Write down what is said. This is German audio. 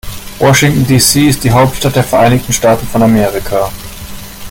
Washington, D.C. ist die Hauptstadt der Vereinigten Staaten von Amerika.